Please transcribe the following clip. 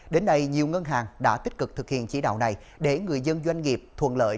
đến nay nhiều ngân hàng đã tích cực thực hiện chỉ đạo này để người dân doanh nghiệp thuận lợi